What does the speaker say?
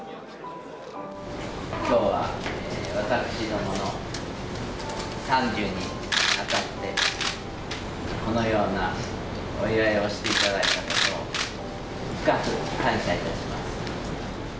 きょうは私どもの傘寿にあたって、このようなお祝いをしていただいたことを深く感謝いたします。